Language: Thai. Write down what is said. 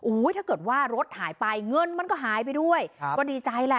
ถ้าเกิดว่ารถหายไปเงินมันก็หายไปด้วยครับก็ดีใจแหละ